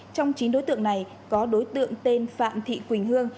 trong chín đối tượng này có đối tượng tên phạm thị quỳnh hương